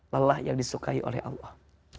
lelah yang disukai oleh allah